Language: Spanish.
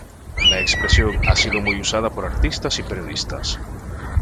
La expresión ha sido muy usada por artistas y periodistas.